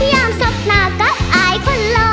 ยามสับหนากับอายคนล้อ